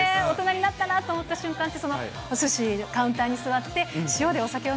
大人になったなと思った瞬間って、そのおすし、カウンターに座って、塩でお酒？